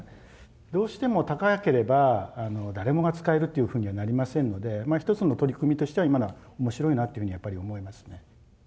どうしても高ければ誰もが使えるというふうにはなりませんので一つの取り組みとしては今のは面白いなというふうにやっぱり思いますね。